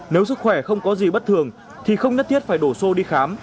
nếu sức khỏe không có gì bất thường thì không nhất thiết phải đổ xô đi khám